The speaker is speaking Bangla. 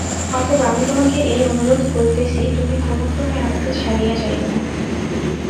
অতএব আমি তোমাকে এই অনুরোধ করিতেছি তুমি কোন ক্রমে আমাকে ছাড়িয়া যাইও না।